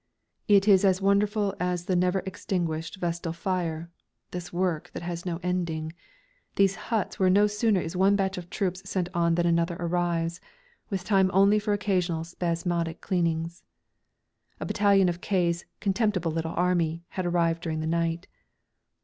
It is as wonderful as the never extinguished vestal fire, this work that has no ending these huts where no sooner is one batch of troops sent on than another arrives, with time only for occasional spasmodic cleanings. A battalion of K.'s "contemptible little Army" had arrived during the night.